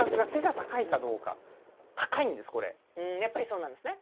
まずやっぱりそうなんですね。